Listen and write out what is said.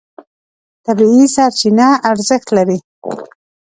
طبیعي سرچینه ارزښت لري.